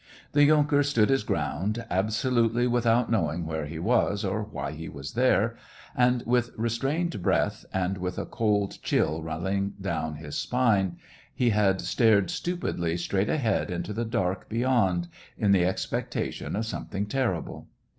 The yunker stood his ground, absolutely with out knowing where he was, or why he was there, and, with restrained breath, and with a cold chill running down his spine, he had stared stupidly straight ahead into the dark beyond, in the expec tation of something terrible.